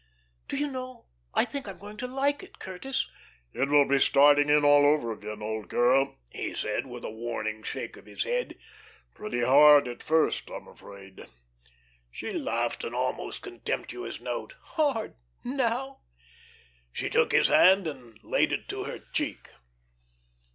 Do you know I think I am going to like it, Curtis?" "It will be starting in all over again, old girl," he said, with a warning shake of his head. "Pretty hard at first, I'm afraid." She laughed an almost contemptuous note. "Hard! Now?" She took his hand and laid it to her cheek.